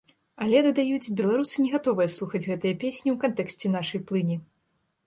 Але, дадаюць, беларусы не гатовыя слухаць гэтыя песні ў кантэксце нашай плыні.